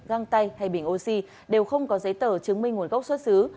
găng tay hay bình oxy đều không có giấy tờ chứng minh nguồn gốc xuất xứ